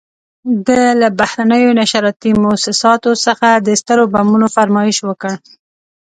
ده له بهرنیو نشراتي موسساتو څخه د سترو بمونو فرمایش وکړ.